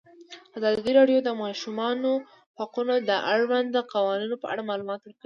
ازادي راډیو د د ماشومانو حقونه د اړونده قوانینو په اړه معلومات ورکړي.